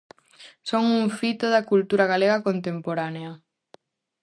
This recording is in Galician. Son un fito da cultura galega contemporánea.